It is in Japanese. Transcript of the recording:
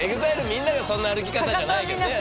みんながそんな歩き方じゃないよねえ？